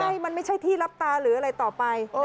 ใช่มันไม่ใช่ที่รับตาหรืออะไรต่อไป